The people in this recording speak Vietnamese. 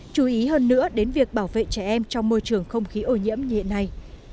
chú ý hơn nữa đến việc bảo vệ trẻ em trong môi trường không khí ô nhiễm như hiện nay